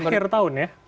akhir tahun ya